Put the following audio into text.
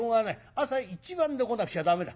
朝一番で来なくちゃ駄目だ。